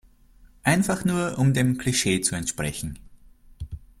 Einfach nur um dem Klischee zu entsprechen.